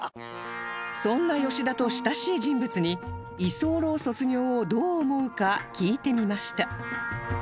そんな吉田と親しい人物に居候卒業をどう思うか聞いてみました